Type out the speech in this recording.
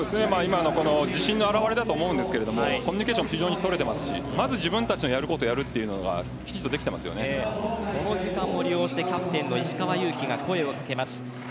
今の自信の表れだと思うんですけどコミュニケーションが非常に取れていますしまず自分たちのやることができるってこの時間を利用してキャプテンの石川祐希が声をかけます。